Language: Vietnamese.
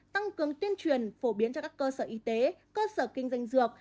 tăng cường tuyên truyền phổ biến cho các cơ sở y tế cơ sở kinh doanh dược